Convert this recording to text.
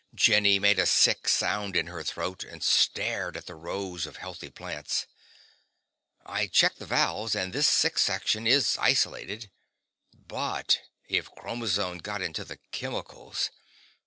Jenny made a sick sound in her throat and stared at the rows of healthy plants. "I checked the valves, and this sick section is isolated. But if chromazone got into the chemicals....